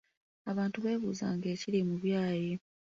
Abantu beebuuzanga ekiri mu byayi!